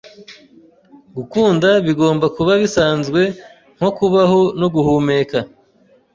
Gukunda bigomba kuba bisanzwe nko kubaho no guhumeka